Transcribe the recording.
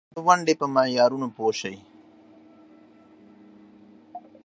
نو دغه صفت لرونکی خلک تاوانيان او تباه شوي دي